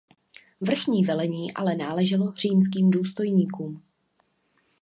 Vrchní velení ale náleželo římským důstojníkům.